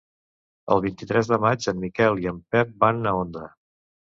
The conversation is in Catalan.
El vint-i-tres de maig en Miquel i en Pep van a Onda.